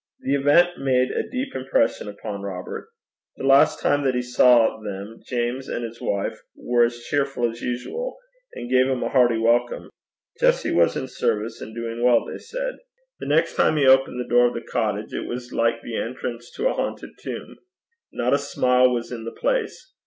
The event made a deep impression upon Robert. The last time that he saw them, James and his wife were as cheerful as usual, and gave him a hearty welcome. Jessie was in service, and doing well, they said. The next time he opened the door of the cottage it was like the entrance to a haunted tomb. Not a smile was in the place.